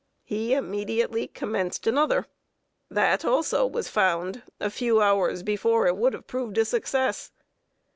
He immediately commenced another. That also was found, a few hours before it would have proved a success.